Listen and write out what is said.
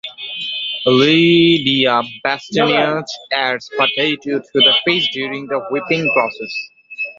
Lidia Bastianich adds potato to the fish during the whipping process.